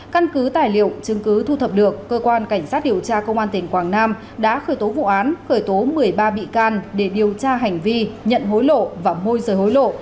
căn cứ tài liệu chứng cứ thu thập được cơ quan cảnh sát điều tra công an tỉnh quảng nam đã khởi tố vụ án khởi tố một mươi ba bị can để điều tra hành vi nhận hối lộ và môi rời hối lộ